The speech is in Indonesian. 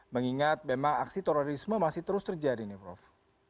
mengingat memang aksi terorisme masih terus terjadi nih prof